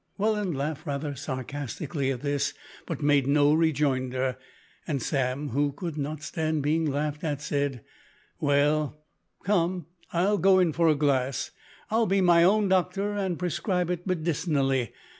Welland laughed rather sarcastically at this, but made no rejoinder, and Sam, who could not stand being laughed at, said "Well, come, I'll go in for one glass. I'll be my own doctor, and prescribe it medicinally!